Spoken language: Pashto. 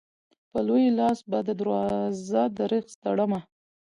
په لوی لاس به دروازه د رزق تړمه